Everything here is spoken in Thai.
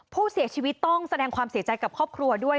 ผู้เสียชีวิตต้องแสดงความเสียใจกับครอบครัวด้วย